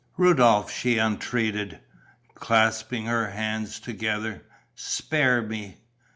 "Rudolph!" she entreated, clasping her hands together. "Spare me!"